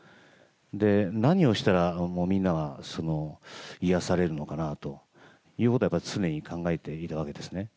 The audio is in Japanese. で、何をしたらみんなが癒やされるのかなということを、やっぱり常に考えていたわけですね。